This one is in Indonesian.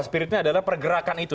spiritnya adalah pergerakan itu